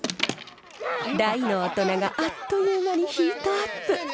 大の大人があっという間にヒートアップ！